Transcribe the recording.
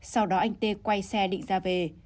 sau đó anh t quay xe định ra về